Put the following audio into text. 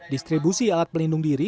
distribusi alat pelindung diri